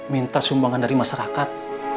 minta sumbangan dari masyarakat